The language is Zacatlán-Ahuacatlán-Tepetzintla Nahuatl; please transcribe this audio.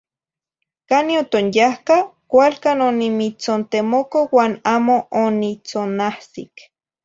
Cani otonyahca? Cualcan onimitzontemoco uan amo onitzonahsic.